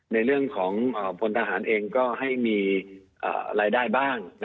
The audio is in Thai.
ในเรื่องของพลทหารเองก็ให้มีรายได้บ้าง